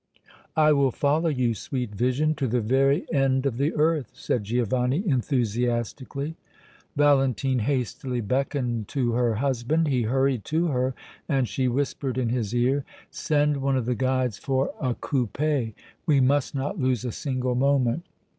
"I will follow you, sweet vision, to the very end of the earth!" said Giovanni, enthusiastically. Valentine hastily beckoned to her husband; he hurried to her and she whispered in his ear: "Send one of the guides for a coupé. We must not lose a single moment.